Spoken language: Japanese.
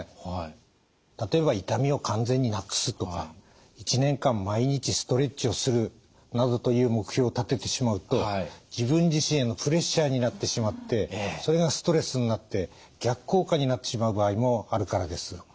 例えば「痛みを完全になくす」とか「１年間毎日ストレッチをする」などという目標を立ててしまうと自分自身へのプレッシャーになってしまってそれがストレスになって逆効果になってしまう場合もあるからです。